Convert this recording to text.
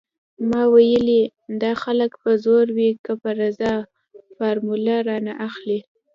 ما ويلې دا خلک په زور وي که په رضا فارموله رانه اخلي.